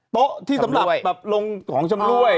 โต๊ะที่สำหรับลงของชำรวย